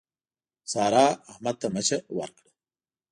سارا، احمد ته مچه ورکړه.